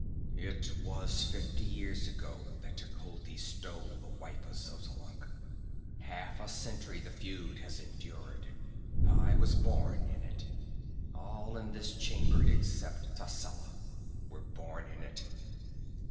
"It was fifty years ago that Tecuhltli stole the wife of Xotalanc. Half a century the feud has endured. I was born in it. All in this chamber, except Tascela, were born in it.